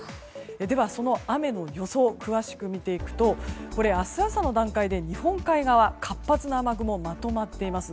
では、その雨の予想を詳しく見ていくと明日朝の段階で日本海側活発な雨雲がまとまっています。